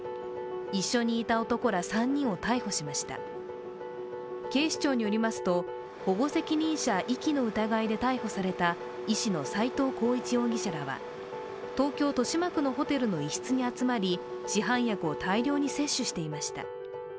一緒にいた男ら３人を逮捕しました警視庁によりますと保護責任者遺棄の疑いで逮捕された医師の斎藤浩一容疑者らは、東京・豊島区のホテルに集まり市販薬を大量に摂取していました。